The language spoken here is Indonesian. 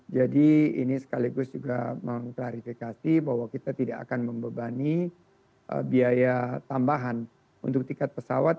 jadi ini sekaligus juga mengklarifikasi bahwa kita tidak akan membebani biaya tambahan untuk tiket pesawat